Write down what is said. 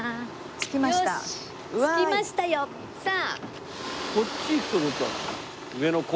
着きましたよ。さあ。